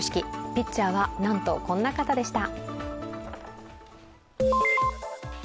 ピッチャーは、なんとこんな方でした。